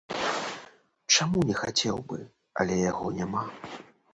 Чаму не хацеў бы, але яго няма.